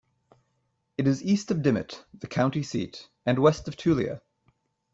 It is east of Dimmitt, the county seat, and west of Tulia.